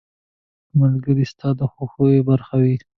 • ملګری ستا د خوښیو برخه وي.